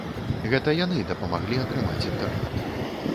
Гэта яны дапамаглі атрымаць інтэрнат.